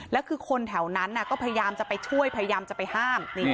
แล้วคือคนแถวนั้นก็พยายามจะไปช่วยพยายามจะไปห้าม